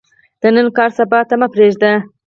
د نن کار، سبا ته مه پریږده.